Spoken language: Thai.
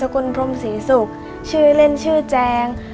กุลพรมศรีศุกร์ชื่อเล่นชื่อแจง